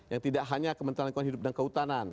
yang tidak hanya kementerian lingkungan hidup dan kehutanan